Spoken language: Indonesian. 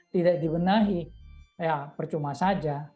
tidak dibenahi ya percuma saja